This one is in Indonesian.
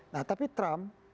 nah tapi trump